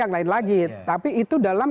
yang lain lagi tapi itu dalam